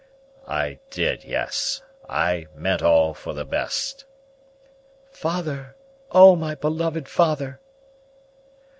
"I did; yes. I meant all for the best." "Father! Oh, my beloved father!"